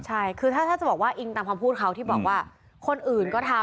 ใช่คือถ้าจะบอกว่าอิงตามคำพูดเขาที่บอกว่าคนอื่นก็ทำ